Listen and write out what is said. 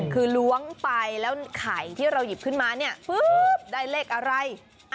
คือล้วงไปแล้วไข่ที่เราหยิบขึ้นมาเนี่ยได้เลขอะไร